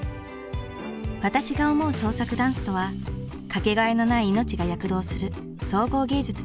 私が思う創作ダンスとはかけがえのない命が躍動する総合芸術です。